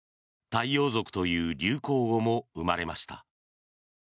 太陽族という流行語も生まれました。